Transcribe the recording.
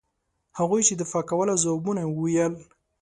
هغوی چې دفاع کوله ځوابونه وویل.